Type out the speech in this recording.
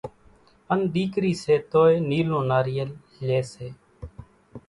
ان ۮيڪري سي توئي نيلون ناريل لئي سي،